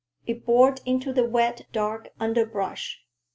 It bored into the wet, dark underbrush.